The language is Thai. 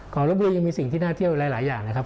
ลบบุรียังมีสิ่งที่น่าเที่ยวหลายอย่างนะครับ